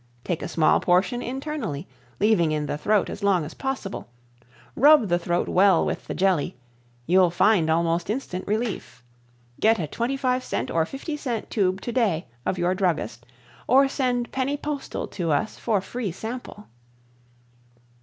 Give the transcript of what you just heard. Take a small portion internally, leaving in the throat as long as possible, rub the throat well with the Jelly you'll find almost instant relief. Get a 25c or 50c tube today of your druggist or send penny postal to us for free sample.